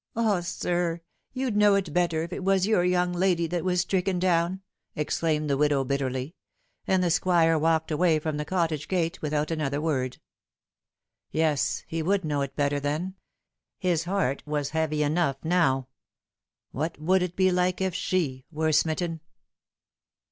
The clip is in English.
" Ah, sir, you'd know it better if it was your young lady that was stricken down !" exclaimed the widow bitterly ; and the Squire walked away from the cottage gate without another word. Yes, he would know it better then. His heart was heavy enough now. What would it be like if ske were smitten